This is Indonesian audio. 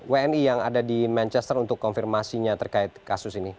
wni yang ada di manchester untuk konfirmasinya terkait kasus ini